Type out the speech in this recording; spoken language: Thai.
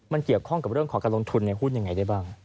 มันเกี่ยวข้องกับเรื่องของการลงทุนในหุ้นยังไงได้บ้าง